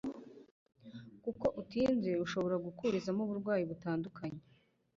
kuko utinze ushobora gukurizamo uburwayi butandukanye.